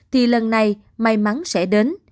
thì lần này may mắn sẽ đến